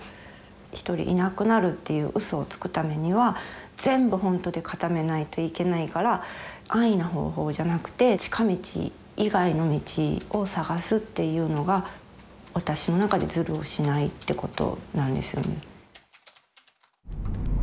一人いなくなるっていううそをつくためには全部本当でかためないといけないから安易な方法じゃなくて近道以外の道を探すっていうのが私の中でズルをしないってことなんですよね。